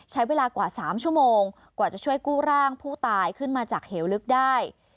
ใช้เวลากว่า๓ชั่วโมงกว่าจะช่วยกู้ร่างผู้ตายขึ้นมาจากเหวลึกได้